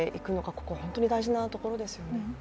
ここは本当に大事なところですよね。